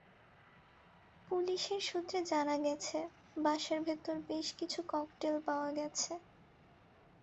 পুলিশের সূত্রে জানা গেছে, বাসার ভেতর বেশ কিছু ককটেল পাওয়া গেছে।